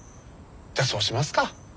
じゃあそうしますか。